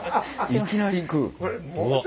いきなりいく。